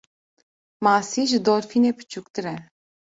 Masî ji dolfînê biçûktir e.